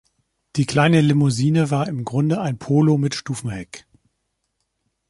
Die kleine Limousine war im Grunde ein Polo mit Stufenheck.